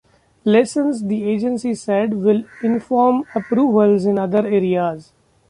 Lessons, the agency said, will inform approvals in other areas.